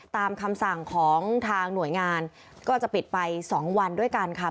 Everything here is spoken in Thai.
ตามคำสั่งของทางหน่วยงานก็จะปิดไป๒วันด้วยกันค่ะ